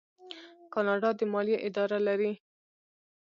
کاناډا د مالیې اداره لري.